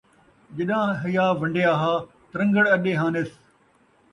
جݙاں حیا ونڈیا ہا ، ترنگڑ اݙے ہانس